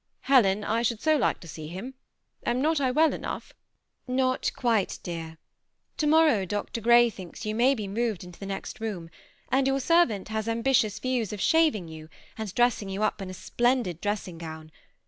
Helen, I should so like to see him. Am not I well enough ?" "Not quite, dear; to morrow Dr. Grey*thinks you may be moved into the next room, and your servant has ambitious views of shaving you, and dressing you up, in a splendid dressing gown.